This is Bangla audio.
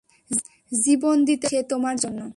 জীবন দিতে পারে সে তোমার জন্য।